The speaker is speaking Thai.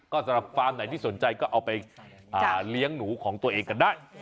ก็สำหรับฟาร์มไหนที่สนใจก็เอาไปเลี้ยงหนูของตัวเองกันได้